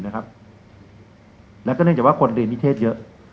แล้วก็เนื่องจากว่าคนเรียนนิเทศเยอะ